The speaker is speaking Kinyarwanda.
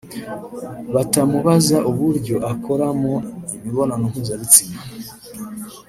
batamubaza uburyo akoramo imibonano mpuzabitsina